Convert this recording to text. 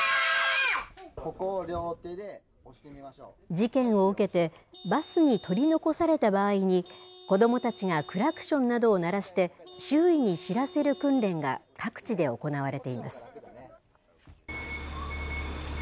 事件を受けて、バスに取り残された場合に、子どもたちがクラクションなどを鳴らして、周囲に知らせる訓練が、各地で行われています。